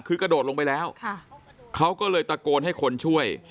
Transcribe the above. คือกระโดดลงไปแล้วเขาก็เลยตะโกนให้คนช่วย